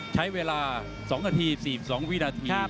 ใช้เวลาสองอาทีมสี่สองวินาที